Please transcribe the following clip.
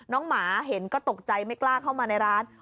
หมาเห็นก็ตกใจไม่กล้าเข้ามาในร้าน